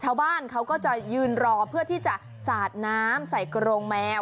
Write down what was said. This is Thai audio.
ชาวบ้านเขาก็จะยืนรอเพื่อที่จะสาดน้ำใส่กรงแมว